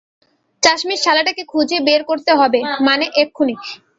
চাশমিশ শালাটাকে খুঁজে বের করতে হবে, মানে, এক্ষুণি।